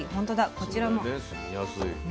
こちらもね